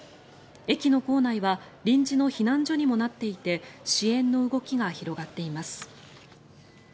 駅の構内は臨時の避難所にもなっていて支援の動きが広がっています。